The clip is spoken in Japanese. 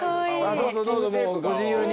どうぞどうぞもうご自由に。